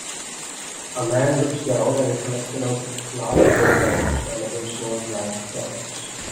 A man looks down at a collection of glassblown lamps and other small glass products.